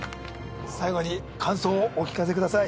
最後に感想をお聞かせください